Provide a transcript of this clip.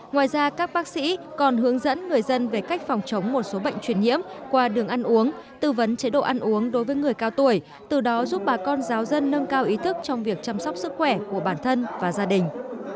ngoài ra các bác sĩ còn hướng dẫn người dân về cách phòng chống một số bệnh truyền nhiễm qua đường ăn uống tư vấn chế độ ăn uống đối với người cao tuổi từ đó giúp bà con giáo dân nâng cao ý thức trong việc chăm sóc sức khỏe của bản thân và gia đình